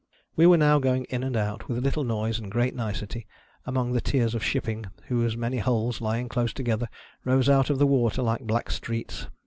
We were now going in and out, with little noise and great nicety, among the tiers of shipping, whose many hulls, lying close together, rose out of the water like black streets.